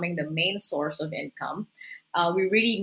menjadi sumber utama pendapatan